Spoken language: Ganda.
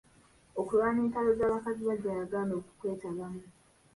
Okulwana entalo z'abakazi baggya yagaana okukwetabamu.